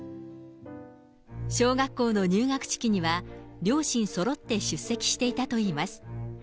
小学校の入学式には、両親そろって出席していたといいます。